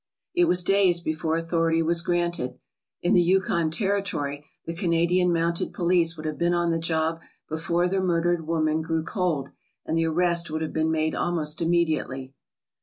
It was days before authority was granted. In the Yukon Territory the Canadian mounted police would have been on the job before the murdered woman grew cold, and the arrest would have been made almost immediately.